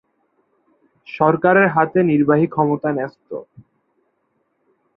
সরকারের হাতে নির্বাহী ক্ষমতা ন্যস্ত।